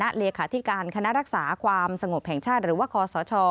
เลขาธิการคณะรักษาความสงบแห่งชาติหรือว่าคอสช